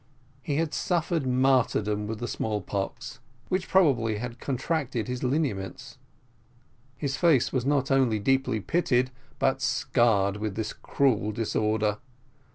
He had suffered martyrdom with the small pox, which probably had contracted his lineaments: his face was not only deeply pitted, but scarred, with this cruel disorder.